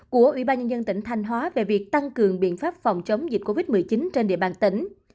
của ủy ban nhân dân tỉnh thanh hóa về việc tăng cường biện pháp phòng chống dịch covid một mươi chín trên địa bàn tỉnh